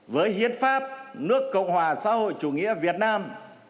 với hiến pháp nước cộng hòa xã hội chủ nghĩa việt nam